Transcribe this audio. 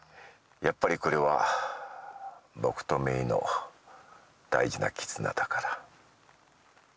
やっぱりこれは僕と姪の大事な絆だから。